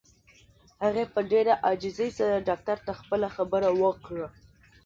هغې په ډېره عاجزۍ سره ډاکټر ته خپله خبره وکړه.